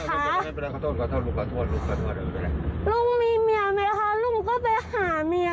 ไม่เป็นไรขอโทษลุงขอโทษลุงเป็นไร